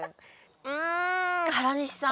うん原西さん。